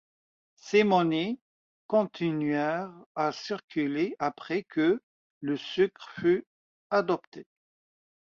Ces monnaies continuèrent à circuler après que le sucre fut adopté.